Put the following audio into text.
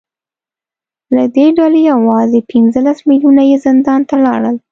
له دې ډلې یوازې پنځلس میلیونه یې زندان ته لاړل